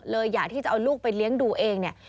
อยากที่จะเอาลูกไปเลี้ยงดูเองเนี่ย